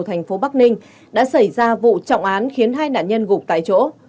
thành phố bắc ninh đã xảy ra vụ trọng án khiến hai nạn nhân gục tại chỗ